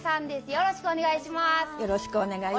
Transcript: よろしくお願いします。